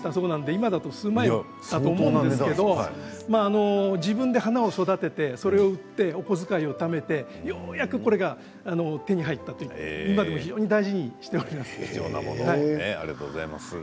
今では数万円だと思いますが自分で花を育てて売ってお小遣いをためてようやくこれが手に入ったという、今でも大事にしております。